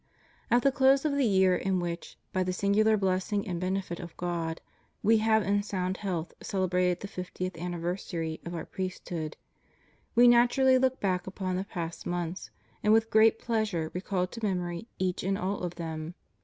At the close of the year in which, by the singular bless ing and benefit of God, We have in sound health cele brated the fiftieth anniversary of Our priesthood, We naturally look back upon the past months, and with great pleasure recall to memory each and all of them.